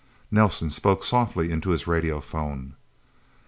Nelsen spoke softly into his radio phone.